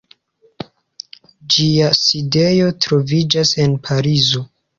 Ĝia sidejo troviĝas en Parizo.